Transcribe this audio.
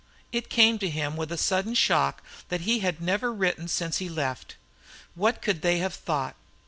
It came to him with a sudden shock that he had never written since he left. What could they have thought?